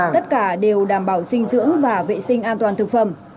tất cả đều đảm bảo dinh dưỡng và vệ sinh an toàn thực phẩm